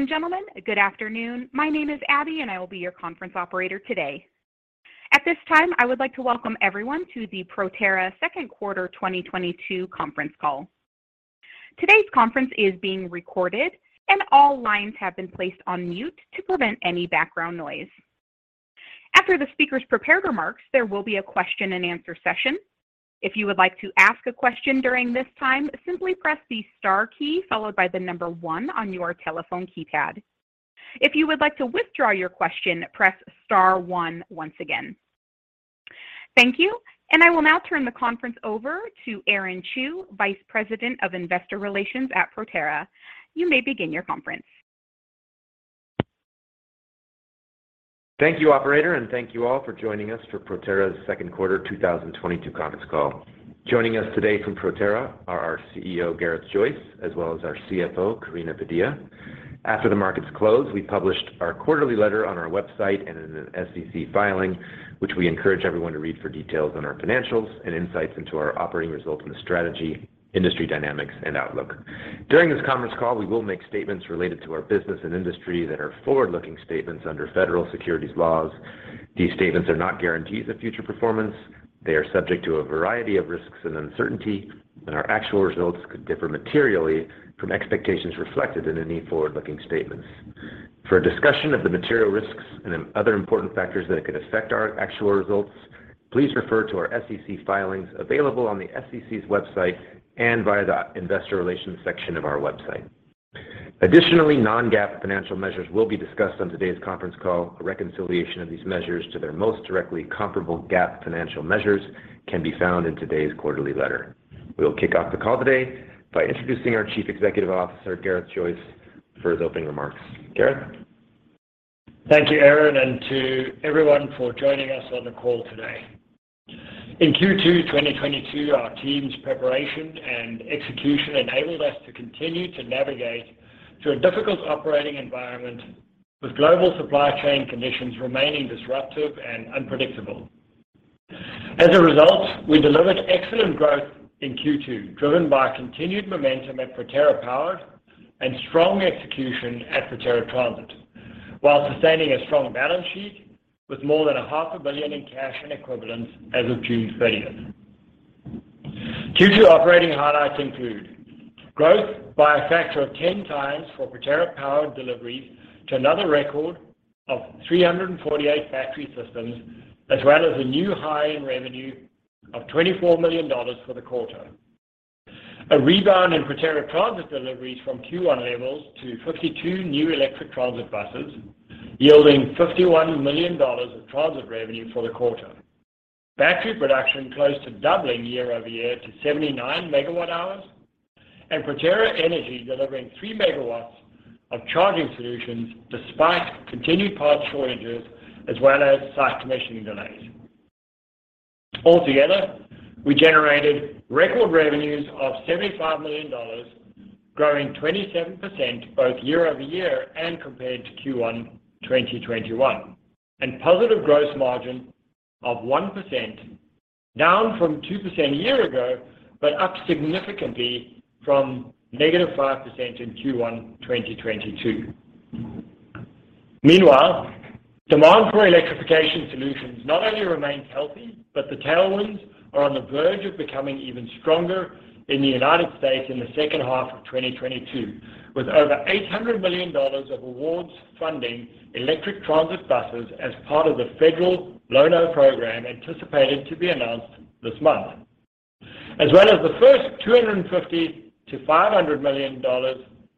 Ladies and gentlemen, good afternoon. My name is Abby, and I will be your conference operator today. At this time, I would like to welcome everyone to the Proterra Q2 2022 conference call. Today's conference is being recorded and all lines have been placed on mute to prevent any background noise. After the speakers' prepared remarks, there will be a question and answer session. If you would like to ask a question during this time, simply press the star key followed by the number one on your telephone keypad. If you would like to withdraw your question, press star one once again. Thank you, and I will now turn the conference over to Aaron Chew, Vice President of Investor Relations at Proterra. You may begin your conference. Thank you, operator, and thank you all for joining us for Proterra's Q2 2022 conference call. Joining us today from Proterra are our CEO, Gareth Joyce, as well as our CFO, Karina Padilla. After the markets closed, we published our quarterly letter on our website and in an SEC filing, which we encourage everyone to read for details on our financials and insights into our operating results and the strategy, industry dynamics and outlook. During this conference call, we will make statements related to our business and industry that are forward-looking statements under federal securities laws. These statements are not guarantees of future performance. They are subject to a variety of risks and uncertainty, and our actual results could differ materially from expectations reflected in any forward-looking statements. For a discussion of the material risks and other important factors that could affect our actual results, please refer to our SEC filings available on the SEC's website and via the investor relations section of our website. Additionally, non-GAAP financial measures will be discussed on today's conference call. A reconciliation of these measures to their most directly comparable GAAP financial measures can be found in today's quarterly letter. We will kick off the call today by introducing our Chief Executive Officer, Gareth Joyce, for his opening remarks. Gareth? Thank you, Aaron, and to everyone for joining us on the call today. In Q2 2022, our team's preparation and execution enabled us to continue to navigate through a difficult operating environment, with global supply chain conditions remaining disruptive and unpredictable. As a result, we delivered excellent growth in Q2, driven by continued momentum at Proterra Powered and strong execution at Proterra Transit, while sustaining a strong balance sheet with more than $ half a billion in cash and equivalents as of June thirtieth. Q2 operating highlights include growth by a factor of 10x for Proterra Powered deliveries to another record of 348 battery systems, as well as a new high in revenue of $24 million for the quarter. A rebound in Proterra Transit deliveries from Q1 levels to 52 new electric transit buses, yielding $51 million of transit revenue for the quarter. Battery production close to doubling year-over-year to 79 MWh, and Proterra Energy delivering 3 MW of charging solutions despite continued parts shortages as well as site commissioning delays. Altogether, we generated record revenues of $75 million, growing 27% both year-over-year and compared to Q1 2021, and positive gross margin of 1%, down from 2% a year ago, but up significantly from -5% in Q1 2022. Meanwhile, demand for electrification solutions not only remains healthy, but the tailwinds are on the verge of becoming even stronger in the United States in the second half of 2022, with over $800 million of awards funding electric transit buses as part of the federal Low-No Program anticipated to be announced this month. The first $250 million-$500 million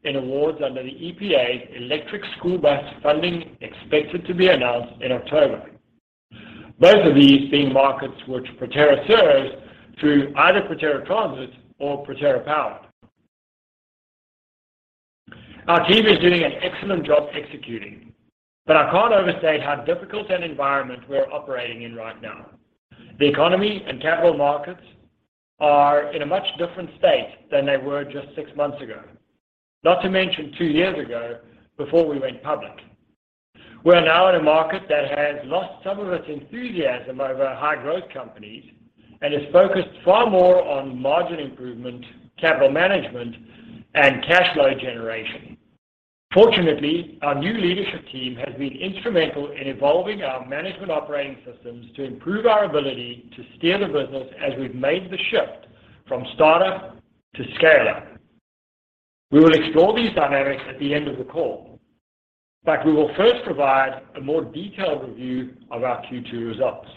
in awards under the EPA's electric school bus funding expected to be announced in October. Both of these being markets which Proterra serves through either Proterra Transit or Proterra Powered. Our team is doing an excellent job executing, but I can't overstate how difficult an environment we're operating in right now. The economy and capital markets are in a much different state than they were just six months ago. Not to mention two years ago before we went public. We are now in a market that has lost some of its enthusiasm over high growth companies and is focused far more on margin improvement, capital management, and cash flow generation. Fortunately, our new leadership team has been instrumental in evolving our management operating systems to improve our ability to steer the business as we've made the shift from startup to scale-up. We will explore these dynamics at the end of the call. We will first provide a more detailed review of our Q2 results.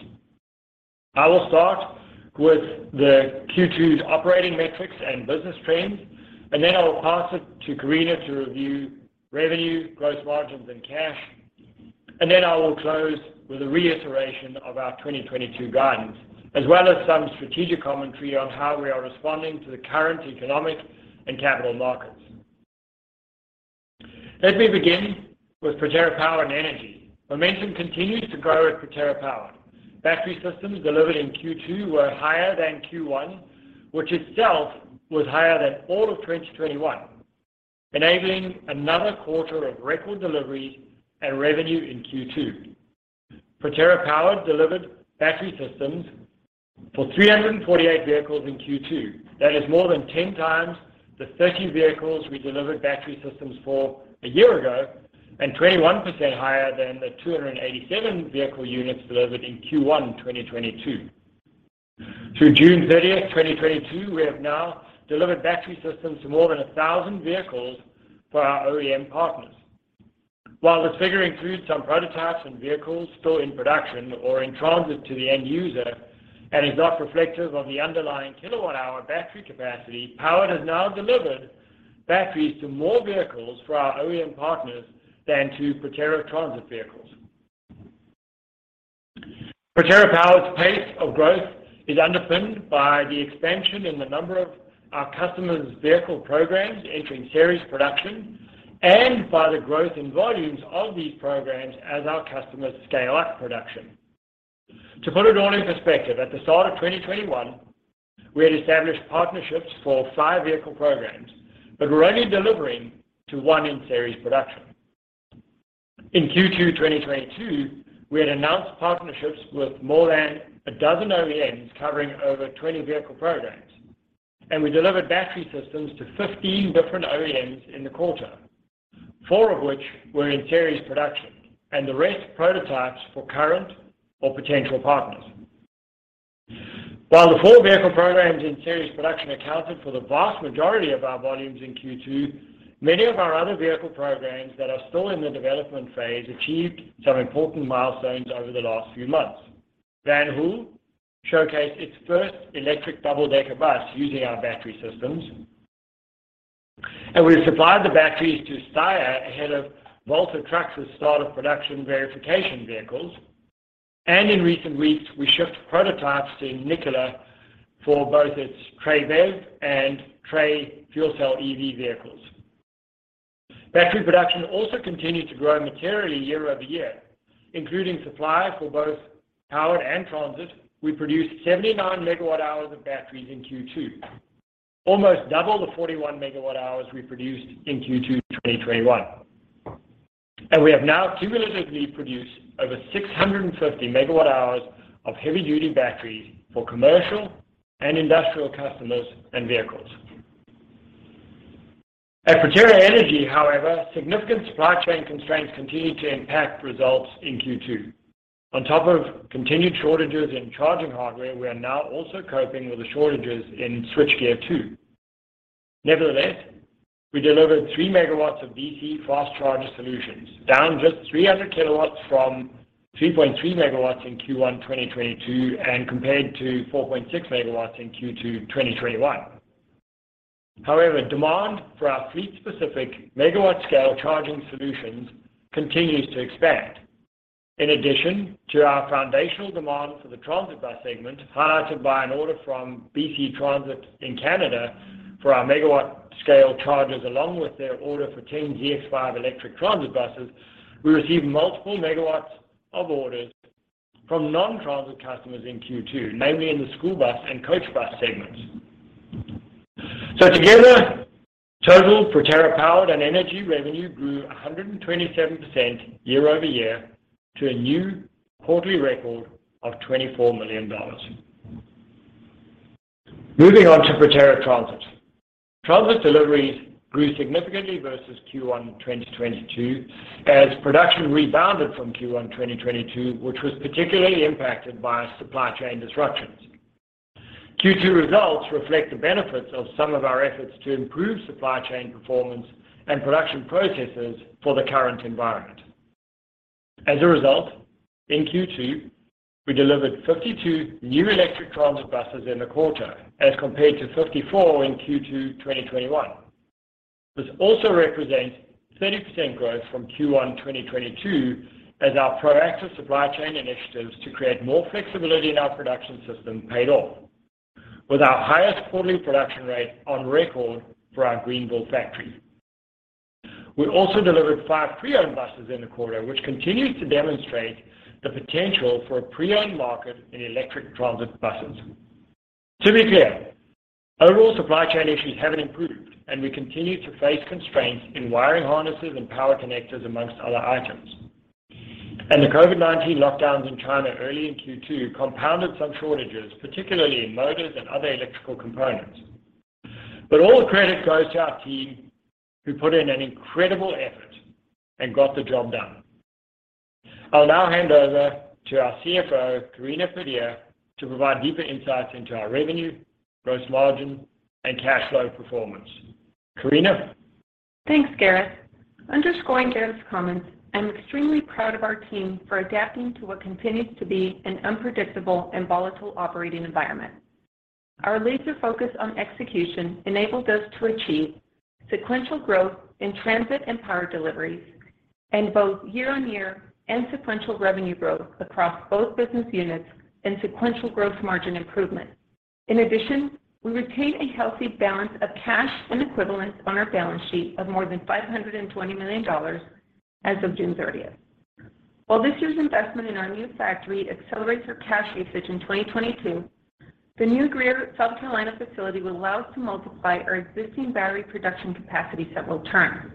I will start with the Q2's operating metrics and business trends, and then I will pass it to Karina to review revenue, gross margins, and cash. I will close with a reiteration of our 2022 guidance, as well as some strategic commentary on how we are responding to the current economic and capital markets. Let me begin with Proterra Powered and Energy. Momentum continues to grow at Proterra Powered. Battery systems delivered in Q2 were higher than Q1, which itself was higher than all of 2021, enabling another quarter of record deliveries and revenue in Q2. Proterra Powered delivered battery systems for 348 vehicles in Q2. That is more than 10 times the 30 vehicles we delivered battery systems for a year ago, and 21% higher than the 287 vehicle units delivered in Q1 2022. Through June 30, 2022, we have now delivered battery systems to more than 1,000 vehicles for our OEM partners. While this figure includes some prototypes and vehicles still in production or in transit to the end user, and is not reflective of the underlying kilowatt-hour battery capacity, Powered has now delivered batteries to more vehicles for our OEM partners than to Proterra Transit vehicles. Proterra Powered's pace of growth is underpinned by the expansion in the number of our customers' vehicle programs entering series production and by the growth in volumes of these programs as our customers scale up production. To put it all in perspective, at the start of 2021, we had established partnerships for five vehicle programs, but were only delivering to one in series production. In Q2 2022, we had announced partnerships with more than a dozen OEMs covering over 20 vehicle programs, and we delivered battery systems to 15 different OEMs in the quarter, four of which were in series production, and the rest prototypes for current or potential partners. While the four vehicle programs in series production accounted for the vast majority of our volumes in Q2, many of our other vehicle programs that are still in the development phase achieved some important milestones over the last few months. Van Hool showcased its first electric double-decker bus using our battery systems, and we've supplied the batteries to Steyr ahead of Volta Trucks' start of production verification vehicles. In recent weeks, we shipped prototypes to Nikola for both its Tre BEV and Tre FCEV vehicles. Battery production also continued to grow materially year-over-year, including supply for both Powered and transit. We produced 79 MWh of batteries in Q2, almost double the 41 MWh we produced in Q2 2021. We have now cumulatively produced over 650 MWh of heavy-duty batteries for commercial and industrial customers and vehicles. At Proterra Energy, however, significant supply chain constraints continued to impact results in Q2. On top of continued shortages in charging hardware, we are now also coping with the shortages in switchgear too. Nevertheless, we delivered 3 megawatts of DC fast charger solutions, down just 300 kilowatts from 3.3 megawatts in Q1, 2022, and compared to 4.6 megawatts in Q2, 2021. However, demand for our fleet-specific megawatt-scale charging solutions continues to expand. In addition to our foundational demand for the transit bus segment, highlighted by an order from BC Transit in Canada for our megawatt scale chargers, along with their order for 10 ZX5 electric transit buses, we received multiple megawatts of orders from non-transit customers in Q2, namely in the school bus and coach bus segments. Together, total Proterra Powered and Proterra Energy revenue grew 127% year-over-year to a new quarterly record of $24 million. Moving on to Proterra Transit. Transit deliveries grew significantly versus Q1 2022 as production rebounded from Q1 2022, which was particularly impacted by supply chain disruptions. Q2 results reflect the benefits of some of our efforts to improve supply chain performance and production processes for the current environment. As a result, in Q2, we delivered 52 new electric transit buses in the quarter, as compared to 54 in Q2 2021. This also represents 30% growth from Q1 2022 as our proactive supply chain initiatives to create more flexibility in our production system paid off with our highest quarterly production rate on record for our Greenville factory. We also delivered five pre-owned buses in the quarter, which continues to demonstrate the potential for a pre-owned market in electric transit buses. To be clear, overall supply chain issues haven't improved, and we continue to face constraints in wiring harnesses and power connectors, among other items. The COVID-19 lockdowns in China early in Q2 compounded some shortages, particularly in motors and other electrical components. All the credit goes to our team who put in an incredible effort and got the job done. I'll now hand over to our CFO, Karina Padilla, to provide deeper insights into our revenue, gross margin, and cash flow performance. Karina? Thanks, Gareth. Underscoring Gareth's comments, I'm extremely proud of our team for adapting to what continues to be an unpredictable and volatile operating environment. Our laser focus on execution enabled us to achieve sequential growth in transit and power deliveries, and both year-on-year and sequential revenue growth across both business units and sequential gross margin improvement. In addition, we retain a healthy balance of cash and equivalents on our balance sheet of more than $520 million as of June thirtieth. While this year's investment in our new factory accelerates our cash usage in 2022. The new Greer, South Carolina facility will allow us to multiply our existing battery production capacity several times.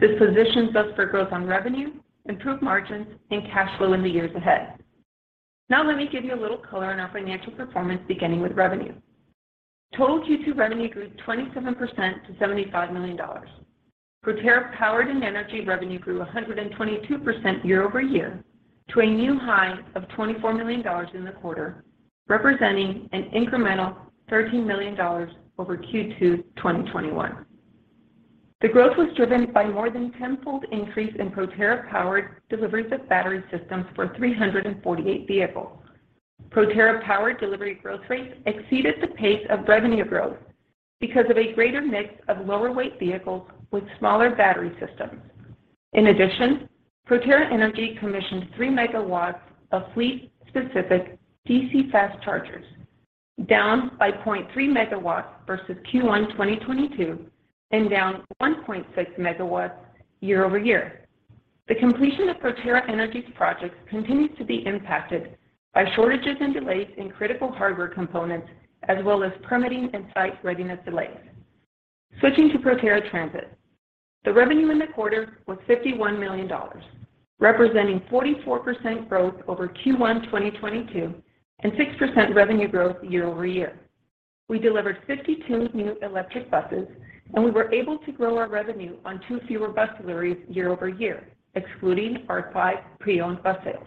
This positions us for growth on revenue, improved margins, and cash flow in the years ahead. Now let me give you a little color on our financial performance beginning with revenue. Total Q2 revenue grew 27% to $75 million. Proterra Powered and Proterra Energy revenue grew 122% year-over-year to a new high of $24 million in the quarter, representing an incremental $13 million over Q2 2021. The growth was driven by more than tenfold increase in Proterra Powered deliveries of battery systems for 348 vehicles. Proterra Powered delivery growth rate exceeded the pace of revenue growth because of a greater mix of lower weight vehicles with smaller battery systems. In addition, Proterra Energy commissioned 3 MW of fleet-specific DC fast chargers, down 0.3 MW versus Q1 2022, and down 1.6 MW year-over-year. The completion of Proterra Energy's projects continues to be impacted by shortages and delays in critical hardware components, as well as permitting and site readiness delays. Switching to Proterra Transit. The revenue in the quarter was $51 million, representing 44% growth over Q1 2022, and 6% revenue growth year-over-year. We delivered 52 new electric buses, and we were able to grow our revenue on two fewer bus deliveries year-over-year, excluding our five pre-owned bus sales.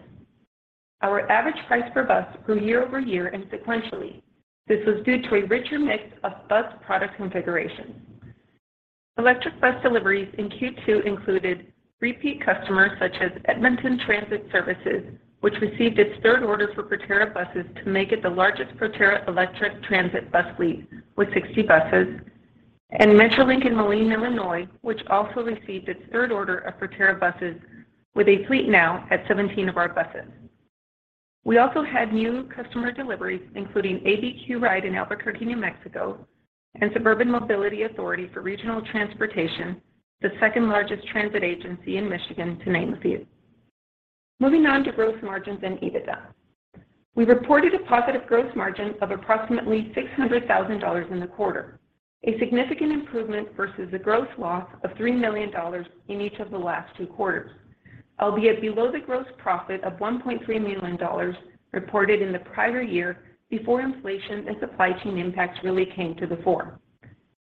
Our average price per bus grew year-over-year and sequentially. This was due to a richer mix of bus product configurations. Electric bus deliveries in Q2 included repeat customers such as Edmonton Transit Service, which received its third order for Proterra buses to make it the largest Proterra electric transit bus fleet with 60 buses, and MetroLINK in Moline, Illinois, which also received its third order of Proterra buses with a fleet now at 17 of our buses. We also had new customer deliveries, including ABQ RIDE in Albuquerque, New Mexico, and Suburban Mobility Authority for Regional Transportation, the second-largest transit agency in Michigan, to name a few. Moving on to gross margins and EBITDA. We reported a positive gross margin of approximately $600,000 in the quarter, a significant improvement versus a gross loss of $3 million in each of the last Q2 albeit below the gross profit of $1.3 million reported in the prior year before inflation and supply chain impacts really came to the fore.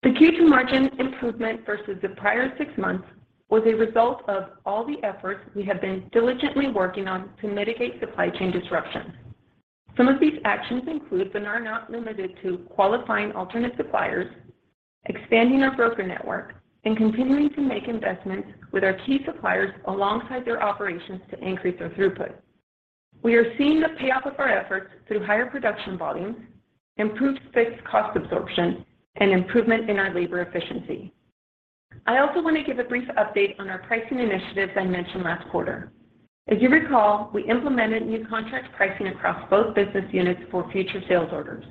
The Q2 margin improvement versus the prior six months was a result of all the efforts we have been diligently working on to mitigate supply chain disruptions. Some of these actions include, but are not limited to, qualifying alternate suppliers, expanding our broker network, and continuing to make investments with our key suppliers alongside their operations to increase their throughput. We are seeing the payoff of our efforts through higher production volumes, improved fixed cost absorption, and improvement in our labor efficiency. I also want to give a brief update on our pricing initiatives I mentioned last quarter. As you recall, we implemented new contract pricing across both business units for future sales orders.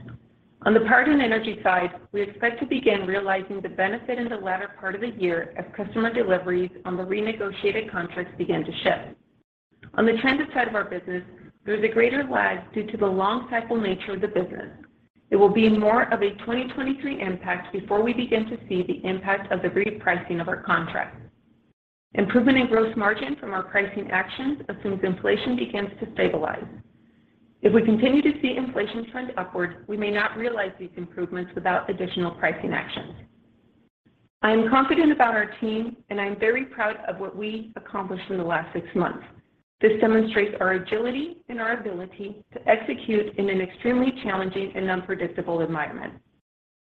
On the Powered and Energy side, we expect to begin realizing the benefit in the latter part of the year as customer deliveries on the renegotiated contracts begin to ship. On the Transit side of our business, there's a greater lag due to the long cycle nature of the business. It will be more of a 2023 impact before we begin to see the impact of the repricing of our contracts. Improvement in gross margin from our pricing actions assumes inflation begins to stabilize. If we continue to see inflation trend upward, we may not realize these improvements without additional pricing actions. I am confident about our team, and I am very proud of what we accomplished in the last six months. This demonstrates our agility and our ability to execute in an extremely challenging and unpredictable environment.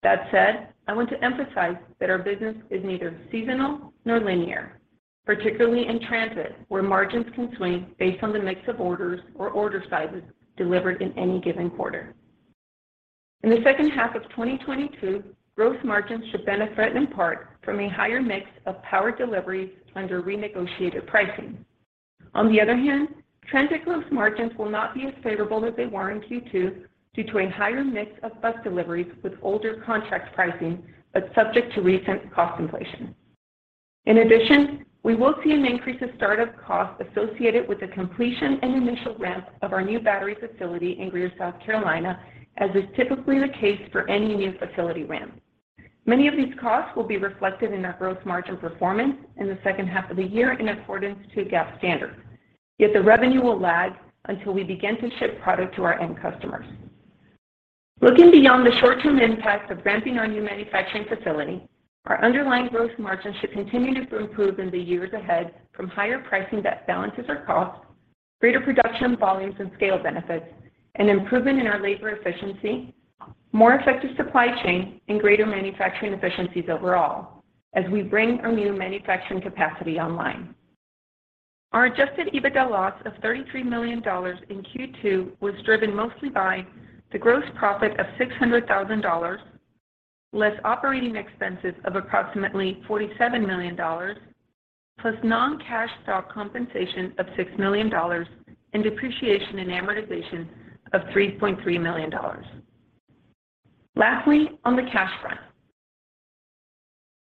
That said, I want to emphasize that our business is neither seasonal nor linear, particularly in Transit, where margins can swing based on the mix of orders or order sizes delivered in any given quarter. In the second half of 2022, gross margins should benefit in part from a higher mix of Powered deliveries under renegotiated pricing. On the other hand, Transit gross margins will not be as favorable as they were in Q2 due to a higher mix of bus deliveries with older contract pricing, but subject to recent cost inflation. In addition, we will see an increase in startup costs associated with the completion and initial ramp of our new battery facility in Greer, South Carolina, as is typically the case for any new facility ramp. Many of these costs will be reflected in our gross margin performance in the second half of the year in accordance to GAAP standards, yet the revenue will lag until we begin to ship product to our end customers. Looking beyond the short-term impact of ramping our new manufacturing facility, our underlying growth margins should continue to improve in the years ahead from higher pricing that balances our costs, greater production volumes and scale benefits, an improvement in our labor efficiency, more effective supply chain, and greater manufacturing efficiencies overall as we bring our new manufacturing capacity online. Our adjusted EBITDA loss of $33 million in Q2 was driven mostly by the gross profit of $600 thousand, less operating expenses of approximately $47 million, plus non-cash stock compensation of $6 million, and depreciation and amortization of $3.3 million. Lastly, on the cash front,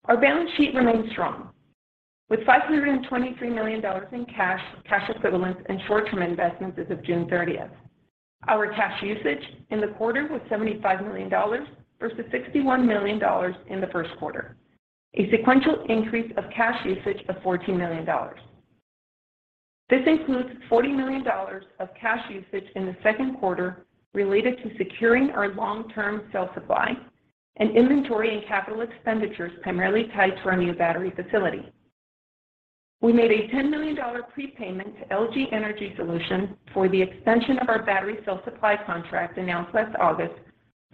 our balance sheet remains strong. With $523 million in cash equivalents, and short-term investments as of June 30. Our cash usage in the quarter was $75 million versus $61 million in the Q1. Sequential increase of cash usage of $14 million. This includes $40 million of cash usage in the Q2 related to securing our long-term cell supply and inventory and capital expenditures primarily tied to our new battery facility. We made a $10 million prepayment to LG Energy Solution for the extension of our battery cell supply contract announced last August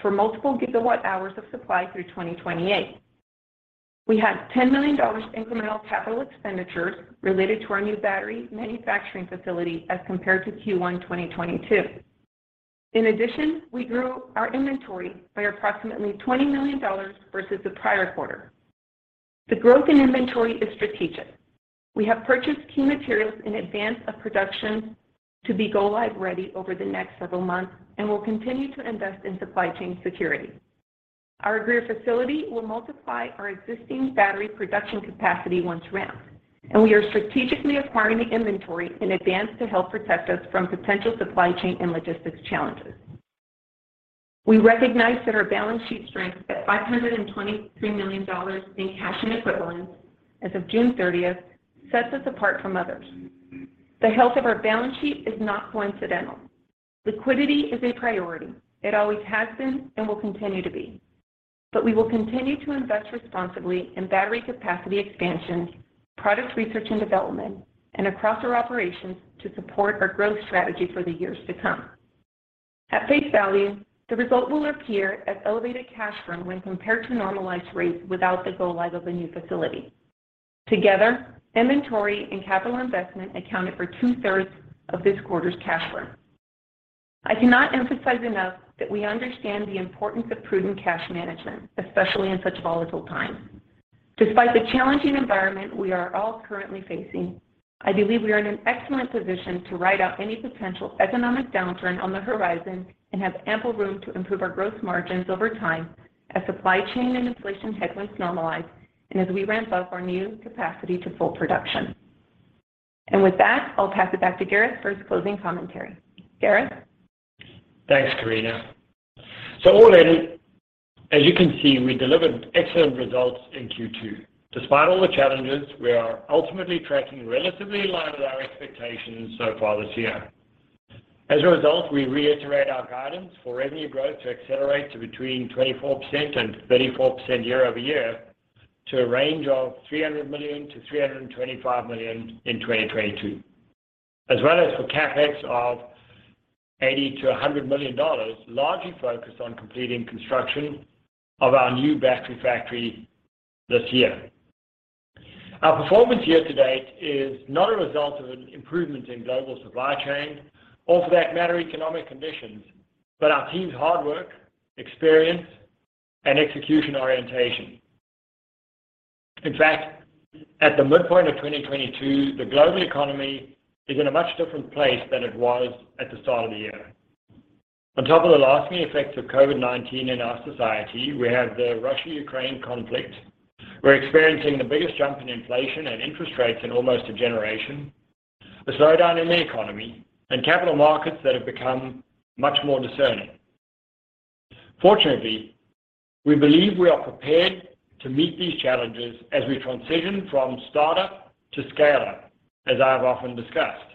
for multiple gigawatt hours of supply through 2028. We had $10 million incremental capital expenditures related to our new battery manufacturing facility as compared to Q1 2022. In addition, we grew our inventory by approximately $20 million versus the prior quarter. The growth in inventory is strategic. We have purchased key materials in advance of production to be go live ready over the next several months and will continue to invest in supply chain security. Our Greer facility will multiply our existing battery production capacity once ramped, and we are strategically acquiring the inventory in advance to help protect us from potential supply chain and logistics challenges. We recognize that our balance sheet strength at $523 million in cash and equivalents as of June thirtieth sets us apart from others. The health of our balance sheet is not coincidental. Liquidity is a priority. It always has been and will continue to be. We will continue to invest responsibly in battery capacity expansion, product research and development, and across our operations to support our growth strategy for the years to come. At face value, the result will appear as elevated cash burn when compared to normalized rates without the go live of a new facility. Together, inventory and capital investment accounted for two-thirds of this quarter's cash burn. I cannot emphasize enough that we understand the importance of prudent cash management, especially in such volatile times. Despite the challenging environment we are all currently facing, I believe we are in an excellent position to ride out any potential economic downturn on the horizon and have ample room to improve our growth margins over time as supply chain and inflation headwinds normalize and as we ramp up our new capacity to full production. With that, I'll pass it back to Gareth for his closing commentary. Gareth? Thanks, Karina. All in, as you can see, we delivered excellent results in Q2. Despite all the challenges, we are ultimately tracking relatively in line with our expectations so far this year. As a result, we reiterate our guidance for revenue growth to accelerate to between 24% and 34% year-over-year to a range of $300 million-$325 million in 2022. As well as for CapEx of $80 million-$100 million, largely focused on completing construction of our new battery factory this year. Our performance year to date is not a result of an improvement in global supply chain or, for that matter, economic conditions, but our team's hard work, experience, and execution orientation. In fact, at the midpoint of 2022, the global economy is in a much different place than it was at the start of the year. On top of the lasting effects of COVID-19 in our society, we have the Russia-Ukraine conflict. We're experiencing the biggest jump in inflation and interest rates in almost a generation, a slowdown in the economy, and capital markets that have become much more discerning. Fortunately, we believe we are prepared to meet these challenges as we transition from startup to scale-up, as I have often discussed.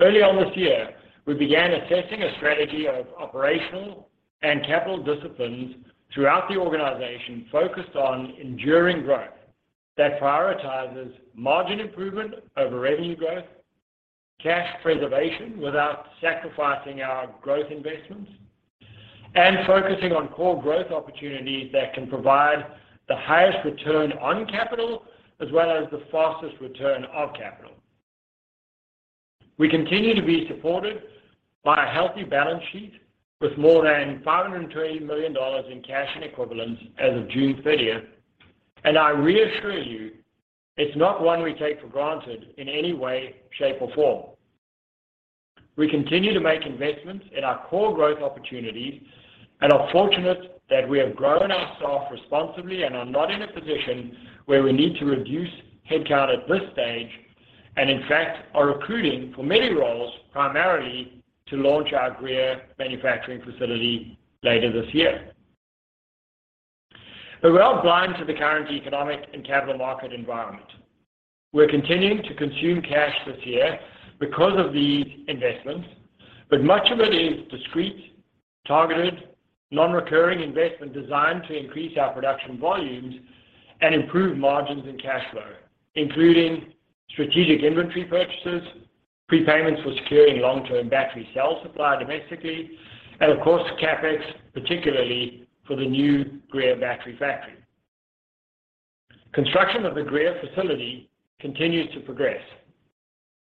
Early on this year, we began assessing a strategy of operational and capital disciplines throughout the organization focused on enduring growth that prioritizes margin improvement over revenue growth, cash preservation without sacrificing our growth investments, and focusing on core growth opportunities that can provide the highest return on capital as well as the fastest return of capital. We continue to be supported by a healthy balance sheet with more than $520 million in cash and equivalents as of June thirtieth, and I reassure you it's not one we take for granted in any way, shape, or form. We continue to make investments in our core growth opportunities and are fortunate that we have grown our staff responsibly and are not in a position where we need to reduce headcount at this stage, and in fact are recruiting for many roles, primarily to launch our Greer manufacturing facility later this year. We're not blind to the current economic and capital market environment. We're continuing to consume cash this year because of these investments, but much of it is discrete, targeted, non-recurring investment designed to increase our production volumes and improve margins and cash flow, including strategic inventory purchases, prepayments for securing long-term battery cell supply domestically, and of course, CapEx, particularly for the new Greer battery factory. Construction of the Greer facility continues to progress.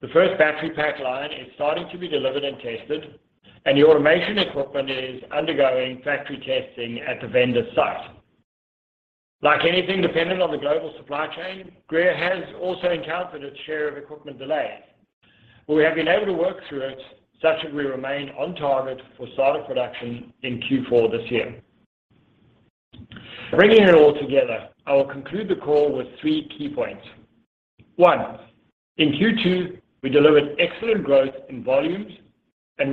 The first battery pack line is starting to be delivered and tested, and the automation equipment is undergoing factory testing at the vendor site. Like anything dependent on the global supply chain, Greer has also encountered its share of equipment delays. We have been able to work through it such that we remain on target for start of production in Q4 this year. Bringing it all together, I will conclude the call with three key points. 1, in Q2, we delivered excellent growth in volumes and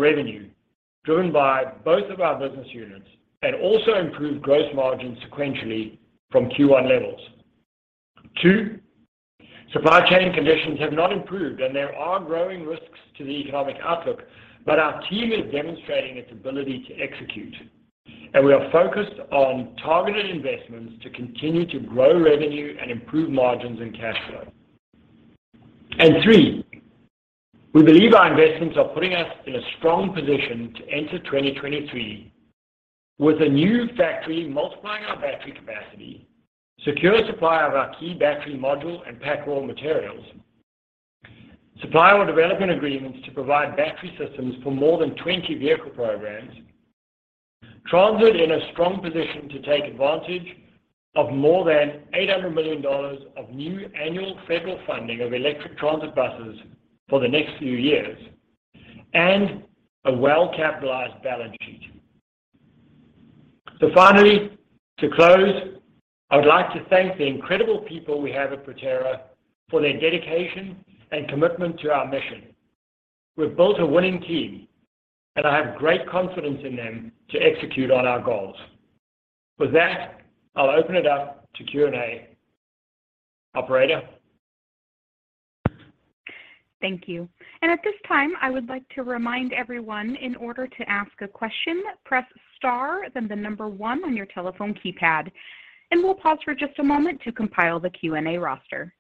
revenue driven by both of our business units and also improved gross margins sequentially from Q1 levels. 2, supply chain conditions have not improved, and there are growing risks to the economic outlook. Our team is demonstrating its ability to execute, and we are focused on targeted investments to continue to grow revenue and improve margins and cash flow. 3, we believe our investments are putting us in a strong position to enter 2023 with a new factory multiplying our battery capacity, secure supply of our key battery module and pack raw materials, supply or development agreements to provide battery systems for more than 20 vehicle programs. Transit in a strong position to take advantage of more than $800 million of new annual federal funding of electric transit buses for the next few years and a well-capitalized balance sheet. Finally, to close, I would like to thank the incredible people we have at Proterra for their dedication and commitment to our mission. We've built a winning team, and I have great confidence in them to execute on our goals. With that, I'll open it up to Q&A. Operator? Thank you. At this time, I would like to remind everyone in order to ask a question, press star, then the number one on your telephone keypad, and we'll pause for just a moment to compile the Q&A roster.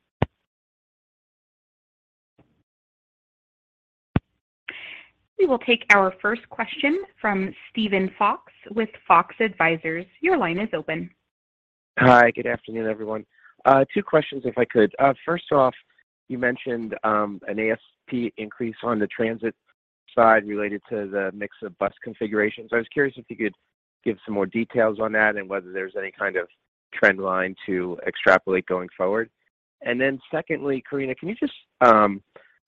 We will take our first question from Steven Fox with Fox Advisors. Your line is open. Hi, good afternoon, everyone. Two questions if I could. First off, you mentioned an ASP increase on the transit side related to the mix of bus configurations. I was curious if you could give some more details on that and whether there's any kind of trend line to extrapolate going forward. Secondly, Karina,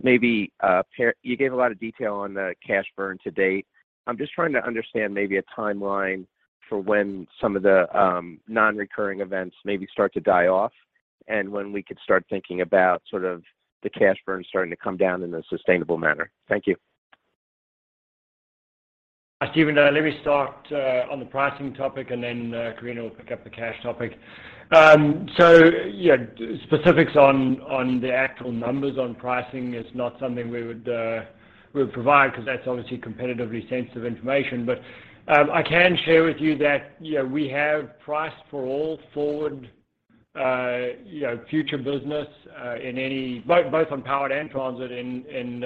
you gave a lot of detail on the cash burn to date. I'm just trying to understand maybe a timeline for when some of the non-recurring events maybe start to die off and when we could start thinking about sort of the cash burn starting to come down in a sustainable manner. Thank you. Steven, let me start on the pricing topic, and then Karina will pick up the cash topic. Yeah, specifics on the actual numbers on pricing is not something we would provide because that's obviously competitively sensitive information. I can share with you that, we have priced for all forward, future business in both on powered and transit in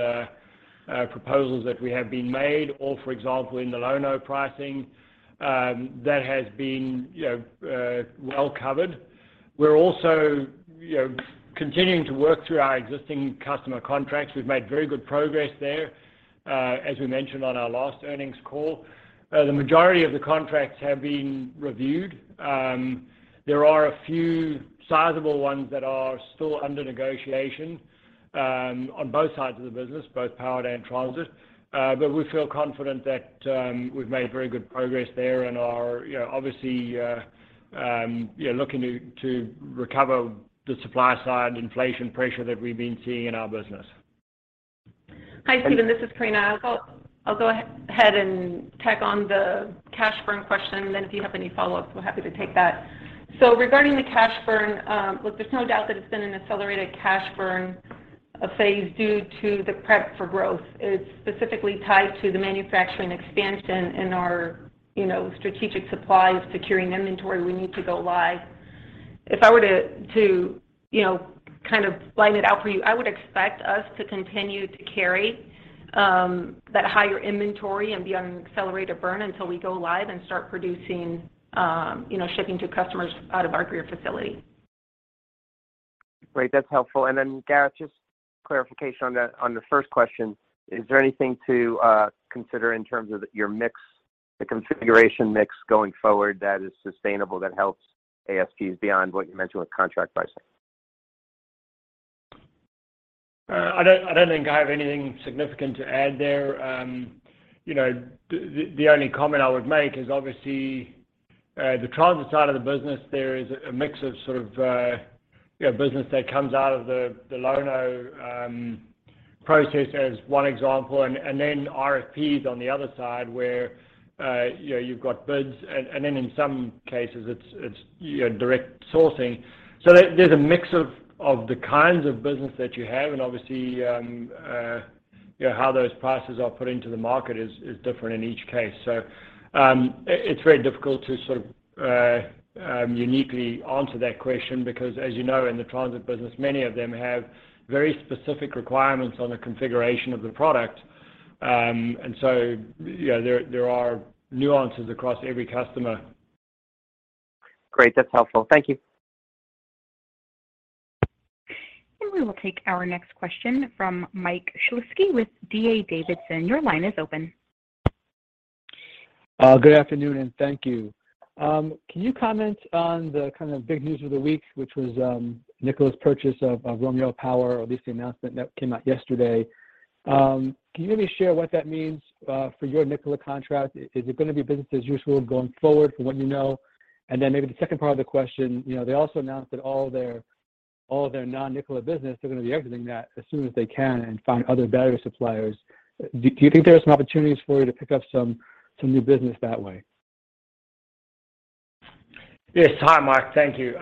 proposals that we have made, or for example, in the Low-No pricing that has been, well covered. We're also, continuing to work through our existing customer contracts. We've made very good progress there, as we mentioned on our last earnings call. The majority of the contracts have been reviewed. There are a few sizable ones that are still under negotiation on both sides of the business, both Powered and Transit. We feel confident that we've made very good progress there and are, obviously looking to recover the supply side inflation pressure that we've been seeing in our business. Hi, Steven. This is Karina Padilla. I'll go ahead and tack on the cash burn question, and then if you have any follow-ups, we're happy to take that. Regarding the cash burn, look, there's no doubt that it's been an accelerated cash burn phase due to the prep for growth. It's specifically tied to the manufacturing expansion and our, strategic supplies securing inventory we need to go live. If I were to, kind of line it out for you, I would expect us to continue to carry that higher inventory and be on an accelerated burn until we go live and start producing, shipping to customers out of our Greer facility. Great. That's helpful. Then Gareth, just clarification on the first question. Is there anything to consider in terms of your mix, the configuration mix going forward that is sustainable, that helps ASPs beyond what you mentioned with contract pricing? I don't think I have anything significant to add there. the only comment I would make is obviously, the transit side of the business, there is a mix of sort of, business that comes out of the Lono process as one example. RFPs on the other side where, you've got bids and then in some cases it's, direct sourcing. There's a mix of the kinds of business that you have. Obviously, how those prices are put into the market is different in each case. It's very difficult to sort of uniquely answer that question because as in the transit business, many of them have very specific requirements on the configuration of the product. There are nuances across every customer. Great. That's helpful. Thank you. We will take our next question from Mike Shlisky with D.A. Davidson. Your line is open. Good afternoon, and thank you. Can you comment on the kind of big news of the week, which was Nikola's purchase of Romeo Power, or at least the announcement that came out yesterday. Can you maybe share what that means for your Nikola contract? Is it gonna be business as usual going forward from what you maybe the second part of the question, they also announced that all their non-Nikola business, they're gonna be divesting that as soon as they can and find other battery suppliers. Do you think there are some opportunities for you to pick up some new business that way? Yes. Hi, Mike. Thank you.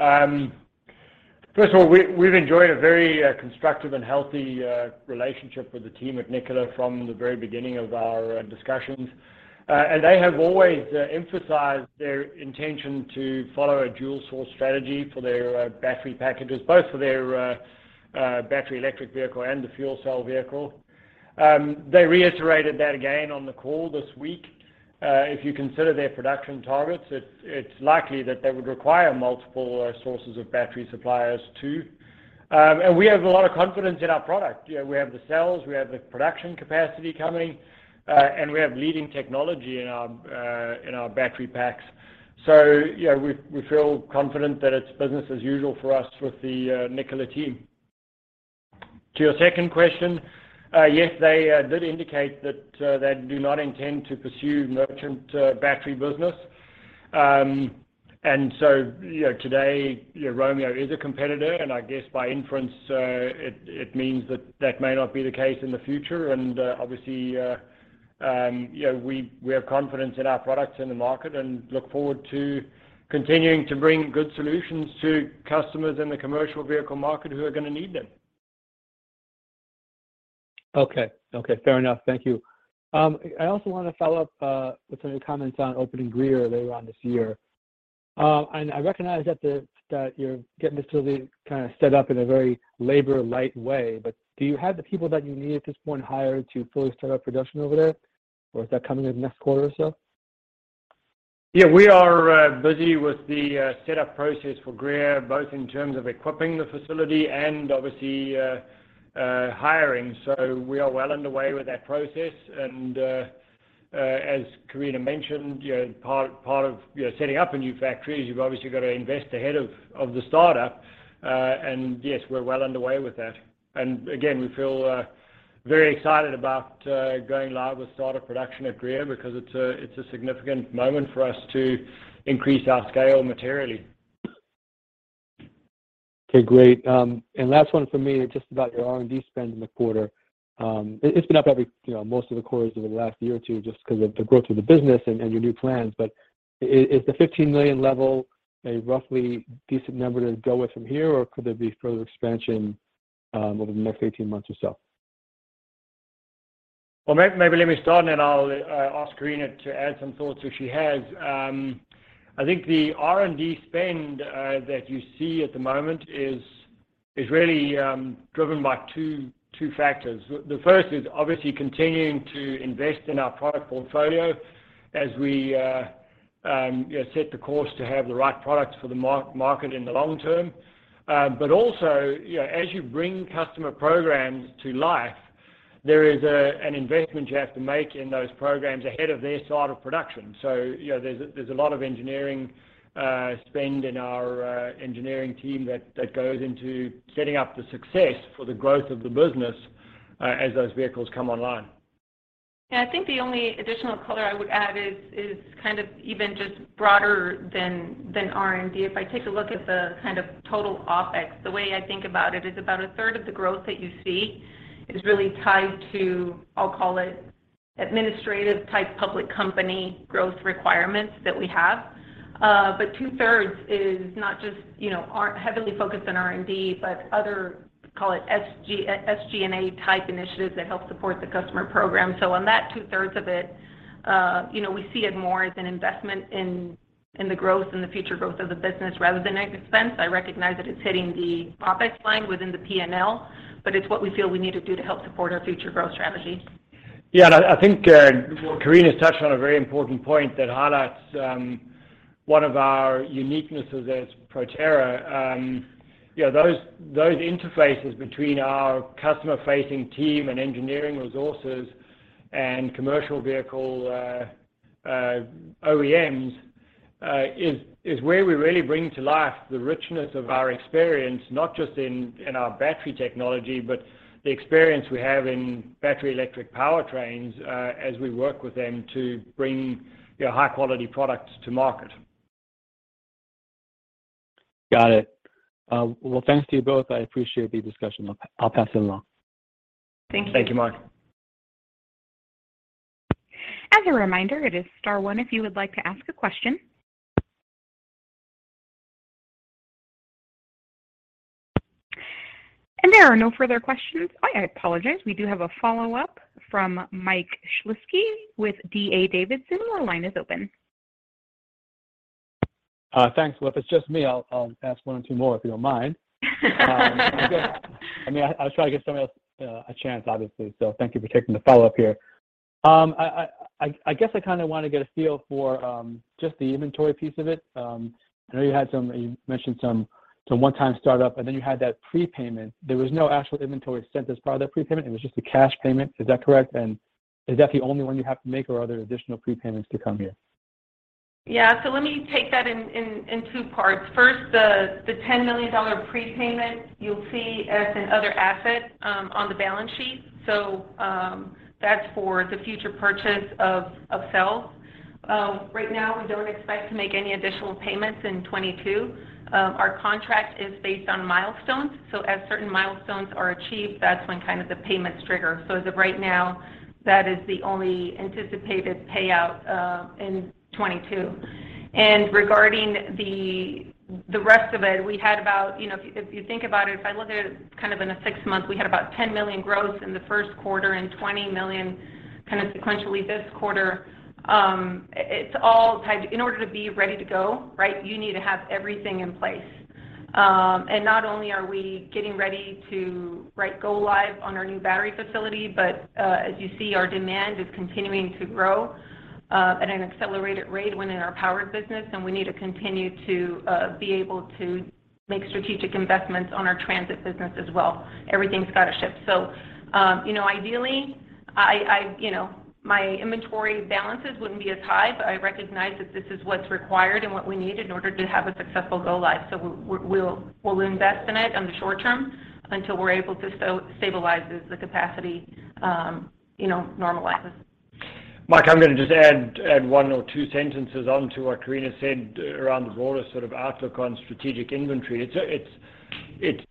First of all, we've enjoyed a very constructive and healthy relationship with the team at Nikola from the very beginning of our discussions. They have always emphasized their intention to follow a dual-source strategy for their battery packages, both for their battery electric vehicle and the fuel cell vehicle. They reiterated that again on the call this week. If you consider their production targets, it's likely that they would require multiple sources of battery suppliers too. We have a lot of confidence in our product. We have the sales, we have the production capacity coming, and we have leading technology in our battery packs. We feel confident that it's business as usual for us with the Nikola team. To your second question, yes, they did indicate that they do not intend to pursue merchant battery business. Today, Romeo Power is a competitor, and I guess by inference, it means that may not be the case in the future. We have confidence in our products in the market and look forward to continuing to bring good solutions to customers in the commercial vehicle market who are gonna need them. Okay. Okay, fair enough. Thank you. I also wanna follow up with some of your comments on opening Greer later on this year. I recognize that you're getting this facility kinda set up in a very labor light way, but do you have the people that you need at this point hired to fully start up production over there, or is that coming in next quarter or so? Yeah. We are busy with the setup process for Greer, both in terms of equipping the facility and obviously hiring. We are well underway with that process. As Karina mentioned, part of setting up a new factory is you've obviously got to invest ahead of the startup. Yes, we're well underway with that. Again, we feel very excited about going live with startup production at Greer because it's a significant moment for us to increase our scale materially. Okay, great. Last one from me, just about your R&D spend in the quarter. It's been up every, most of the quarters over the last year or two just 'cause of the growth of the business and your new plans. Is the $15 million level a roughly decent number to go with from here, or could there be further expansion over the next 18 months or so? Well, maybe let me start, and then I'll ask Karina to add some thoughts if she has. I think the R&D spend that you see at the moment is really driven by two factors. The first is obviously continuing to invest in our product portfolio as we, set the course to have the right products for the market in the long term. But also, as you bring customer programs to life, there is an investment you have to make in those programs ahead of their start of production. There's a lot of engineering spend in our engineering team that goes into setting up the success for the growth of the business as those vehicles come online. Yeah. I think the only additional color I would add is kind of even just broader than R&D. If I take a look at the kind of total OpEx, the way I think about it is about a third of the growth that you see is really tied to, I'll call it, administrative-type public company growth requirements that we have. Two-thirds is not just, heavily focused on R&D, but other, call it SG&A type initiatives that help support the customer program. On that two-thirds of it, We see it more as an investment in the growth and the future growth of the business rather than an expense. I recognize that it's hitting the OpEx line within the P&L, but it's what we feel we need to do to help support our future growth strategy. Yeah. I think, well, Karina's touched on a very important point that highlights one of our uniquenesses as Proterra. Those interfaces between our customer-facing team and engineering resources and commercial vehicle OEMs is where we really bring to life the richness of our experience, not just in our battery technology, but the experience we have in battery electric powertrains, as we work with them to bring high-quality products to market. Got it. Well, thanks to you both. I appreciate the discussion. I'll pass it along. Thank you. Thank you, Mike. As a reminder, it is star one if you would like to ask a question. There are no further questions. I apologize. We do have a follow-up from Mike Shlisky with D.A. Davidson. Your line is open. Thanks. Well, if it's just me, I'll ask one or two more, if you don't mind. I mean, I guess I kinda wanna get a feel for just the inventory piece of it. I know you mentioned some one-time startup, and then you had that prepayment. There was no actual inventory sent as part of that prepayment. It was just a cash payment. Is that correct? And is that the only one you have to make, or are there additional prepayments to come here? Let me take that in two parts. First, the $10 million prepayment you'll see as another asset on the balance sheet. That's for the future purchase of cells. Right now, we don't expect to make any additional payments in 2022. Our contract is based on milestones, so as certain milestones are achieved, that's when kind of the payments trigger. As of right now, that is the only anticipated payout in 2022. Regarding the rest of it, we had about. if you think about it, if I look at it kind of in a six month, we had about $10 million gross in the Q1 and $20 million kind of sequentially this quarter. It's all tied in order to be ready to go, right, you need to have everything in place. Not only are we getting ready to go live on our new battery facility, but as you see, our demand is continuing to grow at an accelerated rate within our Powered business, and we need to continue to be able to make strategic investments on our Transit business as well. Everything's got to shift. Ideally, I my inventory balances wouldn't be as high, but I recognize that this is what's required and what we need in order to have a successful go live. We'll invest in it in the short term until we're able to stabilize as the capacity normalizes. Mike, I'm gonna just add one or two sentences onto what Karina said around the broader sort of outlook on strategic inventory. It's,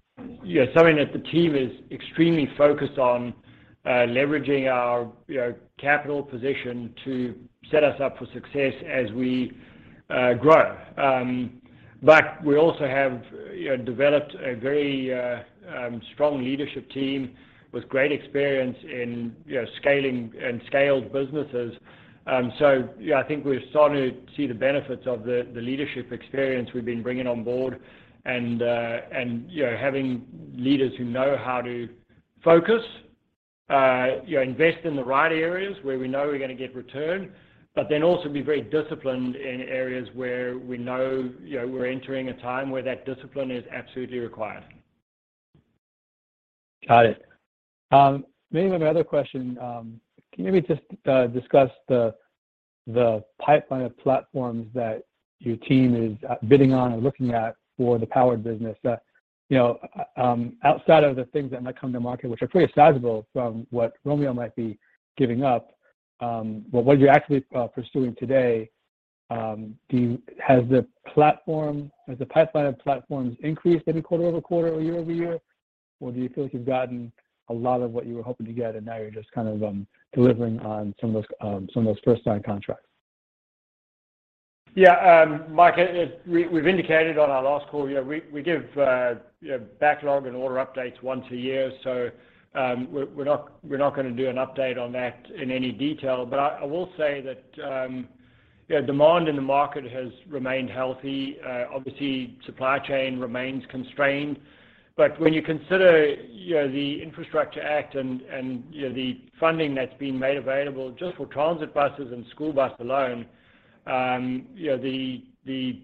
something that the team is extremely focused on, leveraging our capital position to set us up for success as we grow. We also havedeveloped a very strong leadership team with great experience inscaling and scaled businesses. Yeah, I think we're starting to see the benefits of the leadership experience we've been bringing on board and having leaders who know how to focusinvest in the right areas where we know we're gonna get return, but then also be very disciplined in areas where we know, we're entering a time where that discipline is absolutely required. Got it. Maybe my other question, can you maybe just discuss the pipeline of platforms that your team is bidding on or looking at for the powered business? Outside of the things that might come to market, which are pretty sizable from what Romeo Power might be giving up, but what you're actually pursuing today, has the pipeline of platforms increased any quarter-over-quarter or year-over-year? Or do you feel like you've gotten a lot of what you were hoping to get and now you're just kind of delivering on some of those first time contracts? Yeah. Mike, we've indicated on our last call, we give, backlog and order updates once a year, so we're not gonna do an update on that in any detail. I will say that, demand in the market has remained healthy. Obviously, supply chain remains constrained. When you consider, the Infrastructure Act and, the funding that's been made available just for transit buses and school bus alone, the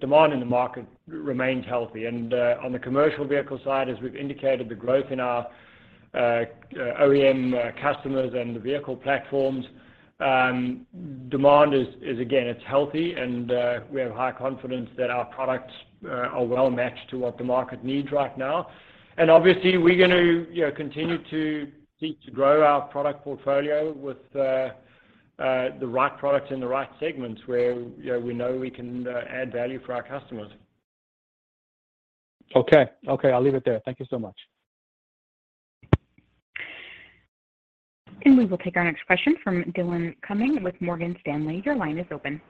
demand in the market remains healthy. On the commercial vehicle side, as we've indicated, the growth in our OEM customers and the vehicle platforms demand is again, it's healthy and we have high confidence that our products are well matched to what the market needs right now. Obviously, we're gonna, continue to seek to grow our product portfolio with the right products in the right segments where, We know we can add value for our customers. Okay. Okay, I'll leave it there. Thank you so much. We will take our next question from Dillon Cumming with Morgan Stanley. Your line is open.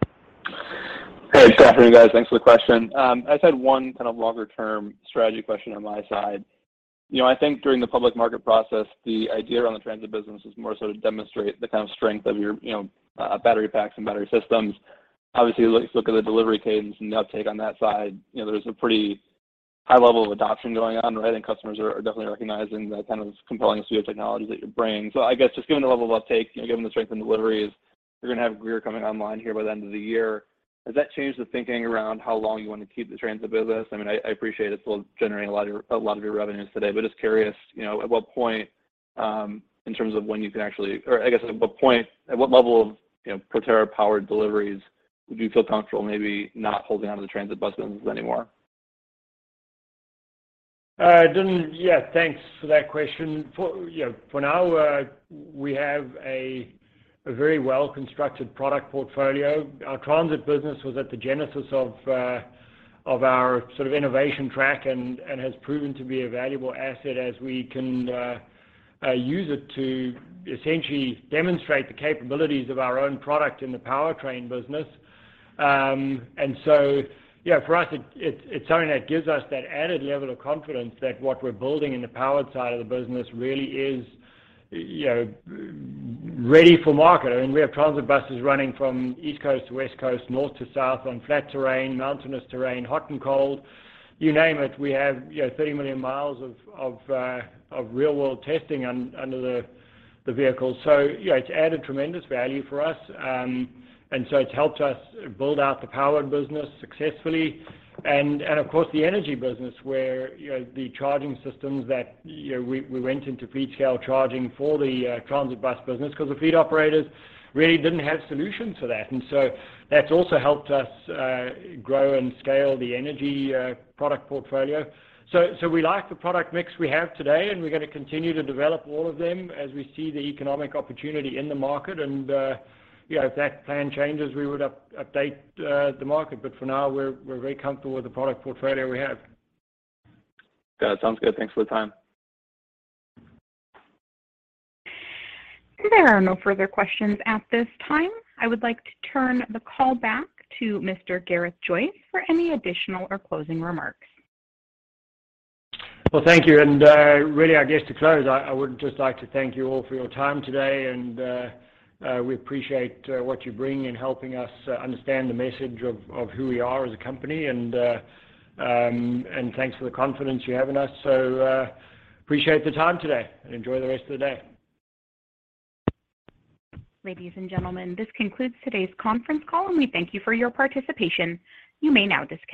Hey. Good afternoon, guys. Thanks for the question. I just had one kind of longer term strategy question on my side. I think during the public market process, the idea around the transit business was more so to demonstrate the kind of strength of your, battery packs and battery systems. Obviously, look at the delivery cadence and the uptake on that side. there's a pretty high level of adoption going on, right? Customers are definitely recognizing the kind of compelling suite of technologies that you're bringing. I guess just given the level of uptake, given the strength in deliveries, you're gonna have Greer coming online here by the end of the year. Has that changed the thinking around how long you want to keep the transit business? I mean, I appreciate it's still generating a lot of your revenues today, but just curious,, at what point or I guess at what level of, Proterra Powered deliveries would you feel comfortable maybe not holding onto the transit bus business anymore? Dillon, yeah, thanks for that question. For now, we have a very well-constructed product portfolio. Our transit business was at the genesis of our sort of innovation track and has proven to be a valuable asset as we can use it to essentially demonstrate the capabilities of our own product in the powertrain business. For us, it's something that gives us that added level of confidence that what we're building in the powered side of the business really is, ready for market. I mean, we have transit buses running from East Coast to West Coast, North to South, on flat terrain, mountainous terrain, hot and cold. You name it, we have,, 30 million miles of real world testing under the vehicles. It's added tremendous value for us. It's helped us build out the powered business successfully. Of course, the energy business where the charging systems that we went into fleet-scale charging for the transit bus business because the fleet operators really didn't have solutions for that. That's also helped us grow and scale the energy product portfolio. We like the product mix we have today, and we're gonna continue to develop all of them as we see the economic opportunity in the market. If that plan changes, we would update the market. For now we're very comfortable with the product portfolio we have. Got it. Sounds good. Thanks for the time. There are no further questions at this time. I would like to turn the call back to Mr. Gareth Joyce for any additional or closing remarks. Well, thank you. Really, I guess to close, I would just like to thank you all for your time today and we appreciate what you bring in helping us understand the message of who we are as a company and thanks for the confidence you have in us. Appreciate the time today and enjoy the rest of the day. Ladies and gentlemen, this concludes today's conference call, and we thank you for your participation. You may now disconnect.